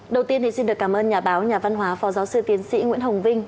đầu tiên thì xin được cảm ơn nhà báo nhà văn hóa phó giáo sư tiến sĩ nguyễn hồng vinh